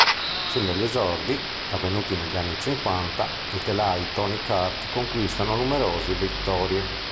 Sin dagli esordi, avvenuti negli anni cinquanta, i telai Tony Kart conquistano numerose vittorie.